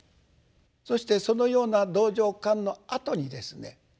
そしてそのような道場観のあとにですね